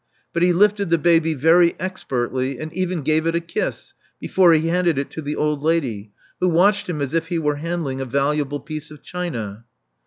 But he lifted the baby very expertly, and even gave it a kiss before he handed it to the old lady, who watched him as if he were hand ling a valuable piece of china.